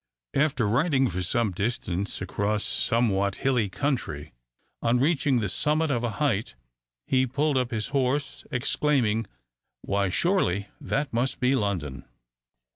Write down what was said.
After riding for some distance across somewhat hilly country, on reaching the summit of a height, he pulled up his horse, exclaiming, "Why, surely that must be London!"